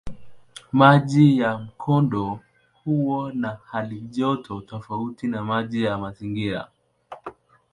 Maji ya mkondo huwa na halijoto tofauti na maji ya mazingira.